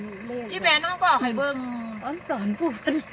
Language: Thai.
แต่มันต้องต้องบริกัด